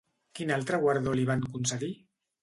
Quin altre guardó li van concedir?